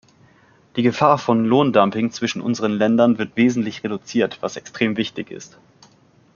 Die Gefahr von Lohndumping zwischen unseren Ländern wird wesentlich reduziert, was extrem wichtig ist.